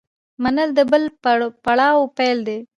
منل د بل پړاو پیل دی.